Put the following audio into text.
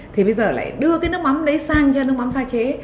thì bây giờ lại đưa cái nước mắm đấy sang cho nước mắm pha chế